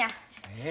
え？